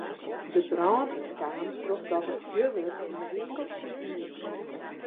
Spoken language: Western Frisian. De brân is kaam trochdat der fjurwurk yn de winkel smiten is.